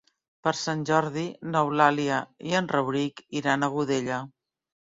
Per Sant Jordi n'Eulàlia i en Rauric iran a Godella.